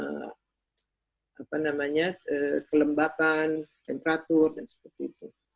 kemudian juga untuk mengukur co dua kemudian juga untuk mengukur co dua kemudian juga untuk mengukur kelembapan temperatur dan sebagainya